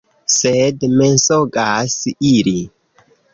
Sed mensogas ili!